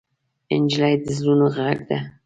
نجلۍ د زړونو غږ ده.